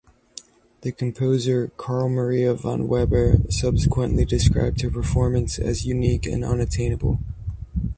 The composer Carl Maria von Weber subsequently described her performance as "unique and unattainable".